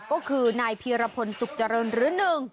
ก็คือนายพีรพลสุขเจริญหรือหนึ่ง